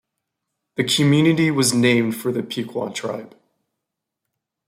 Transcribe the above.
The community was named for the Piqua tribe.